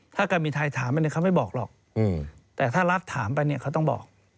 ถ้าเกิดมีไทยถามอันนี้เขาไม่บอกหรอกแต่ถ้ารัฐถามไปเนี่ยเขาต้องบอก